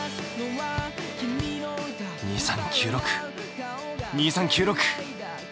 ２３９６２３９６。